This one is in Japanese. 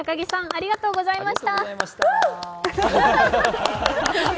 ありがとうございます！